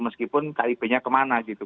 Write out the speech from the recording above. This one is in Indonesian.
meskipun kip nya kemana gitu